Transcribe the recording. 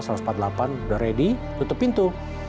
sudah ready tutup pintu